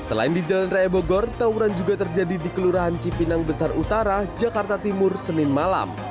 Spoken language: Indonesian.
selain di jalan raya bogor tawuran juga terjadi di kelurahan cipinang besar utara jakarta timur senin malam